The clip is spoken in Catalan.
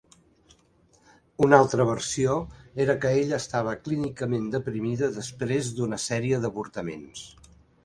Una altra versió era que ella estava clínicament deprimida, després d'una sèrie d'avortaments.